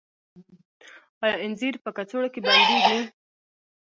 آیا انځر په کڅوړو کې بندیږي؟